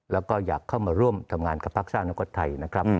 และก็อยากเข้ามาร่วมทำงานกับพระศาสนรกษ์ไทย